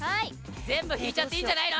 全部引いちゃっていいんじゃないの？